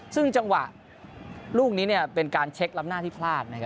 ซึ่งจังหวะลูกนี้เป็นการเช็คล้ำหน้าที่พลาดนะครับ